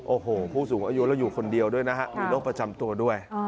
โอ้โหผู้สูงอายุแล้วอยู่คนเดียวด้วยนะฮะมีโรคประจำตัวด้วย